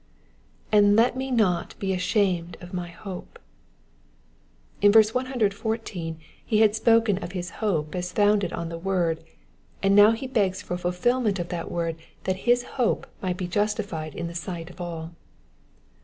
'"And let me not be ashamed of my Jiope."*^ In verse 114 he had spoken of his hope as founded on the word, and now he begs for the fulfilment of that word that his hope might be justified in the sight of all.